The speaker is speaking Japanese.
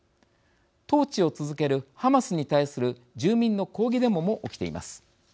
統治を続けるハマスに対する住民の抗議デモも起きています。